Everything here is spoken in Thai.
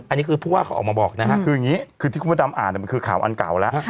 อันนี้คือผู้ว่าเขาออกมาบอกนะฮะคืออย่างนี้คือที่คุณพระดำอ่านมันคือข่าวอันเก่าแล้ว